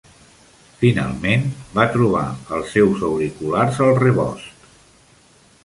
Finalment, va trobar els seus auriculars al rebost.